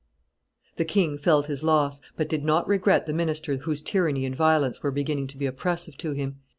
The king felt his loss, but did not regret the minister whose tyranny and violence were beginning to be oppressive to him.